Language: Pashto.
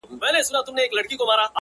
له دغي خاوري مرغان هم ولاړل هجرت کوي!